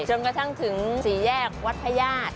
จนกระทั่งถึงสี่แยกวัดพระญาติ